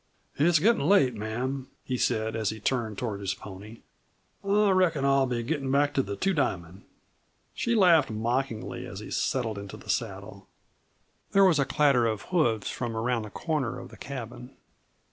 "It's gettin' late, ma'am," he said, as he turned toward his pony. "I reckon I'll be gettin' back to the Two Diamond." She laughed mockingly as he settled into the saddle. There was a clatter of hoofs from around the corner of the cabin.